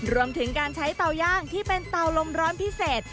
รวมถึงการใช้เตาย่างที่เป็นเตาลมร้อนพิเศษ